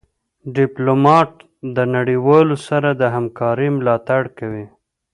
ډيپلومات د نړېوالو سره د همکارۍ ملاتړ کوي.